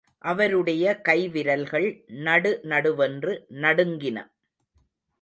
அவருடைய கை விரல்கள் நடுநடுவென்று நடுங்கின.